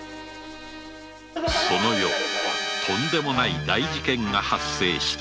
その夜とんでもない大事件が発生した